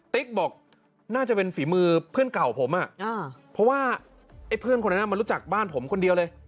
ติ๊กบอกน่าจะเป็นฝีมือเพื่อนเก่าผมเพราะว่าไอ้เพื่อนคนนั้นมันรู้จักบ้านผมคนเดียวเลย